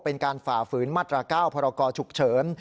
เป็นการฝ่าฝืนมาตรก้าวพรกชุกเฉิน